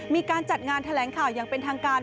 มีการจัดงานแถลงข่าวอย่างเป็นทางการ